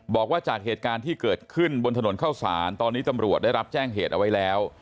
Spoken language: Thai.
บอกว่าจากเหตุการณ์ที่เกิดขึ้นบนถนนเข้าสารตอนนี้ตำรวจได้รับแจ้งเหตุเอาไว้แล้ว